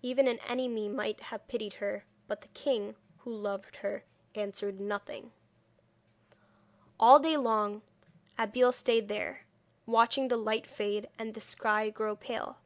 Even an enemy might have pitied her; but the king, who loved her, answered nothing. All day long Abeille stayed there, watching the light fade, and the sky grow pale.